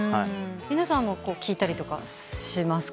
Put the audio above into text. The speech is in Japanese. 皆さんも聴いたりしますか？